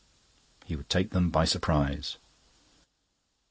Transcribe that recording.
He would take them by surprise.